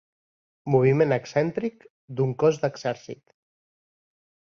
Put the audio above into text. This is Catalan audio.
Moviment excèntric d'un cos d'exèrcit.